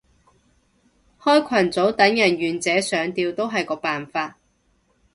開群組等人願者上釣都係個方法